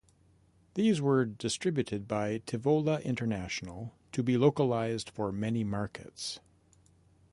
These were distributed by Tivola International to be localized for many markets.